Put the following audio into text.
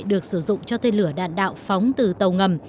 được sử dụng cho tên lửa đạn đạo phóng từ tàu ngầm